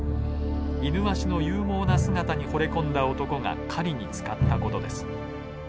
イヌワシの勇猛な姿にほれ込んだ男が狩りに使った事です。